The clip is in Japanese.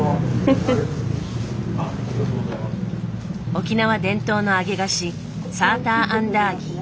沖縄伝統の揚げ菓子サーターアンダーギー。